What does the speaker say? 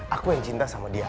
aku yang cinta sama dia